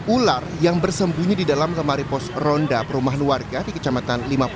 ular yang bersembunyi di dalam lemari pos ronda perumahan warga di kecamatan lima puluh